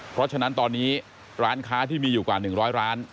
เพราะฉะนั้นตอนนี้ร้านค้าที่มีอยู่กว่า๑๐๐ร้าน